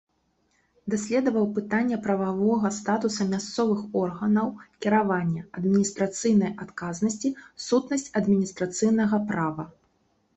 Даследаваў пытанні прававога статуса мясцовых органаў кіравання, адміністрацыйнай адказнасці, сутнасць адміністрацыйнага права.